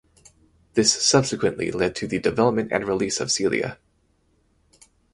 This subsequently led to the development and release of Celia.